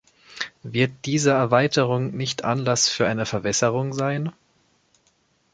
Wird diese Erweiterung nicht Anlass für eine Verwässerung sein?